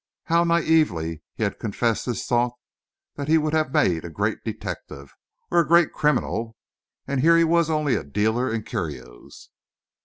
How naïvely he had confessed his thought that he would have made a great detective or a great criminal; and here he was only a dealer in curios.